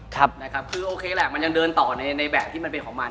คือโอเคแหละมันยังเดินต่อในแบบที่มันเป็นของมัน